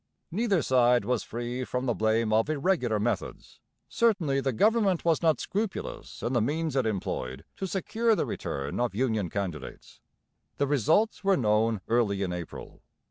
Neither side was free from the blame of irregular methods. Certainly the government was not scrupulous in the means it employed to secure the return of Union candidates. The results were known early in April.